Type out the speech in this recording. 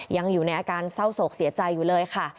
ยังอยู่ในอาการเศร้าโศกเสียใจอยู่เลยค่ะ